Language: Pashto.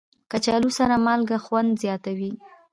کچالو سره مالګه خوند زیاتوي